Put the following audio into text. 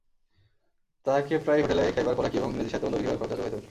তাহাকে প্রায়ই হোটেলে খাইবার খোরাকি এবং ইংরেজি সাহিত্যগ্রন্থ কিনিবার খরচা জোগাইতে হইত।